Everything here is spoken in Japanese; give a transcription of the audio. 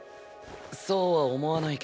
そうは思わないけど。